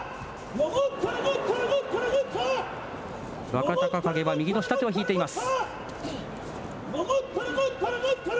若隆景は右の下手を引いています。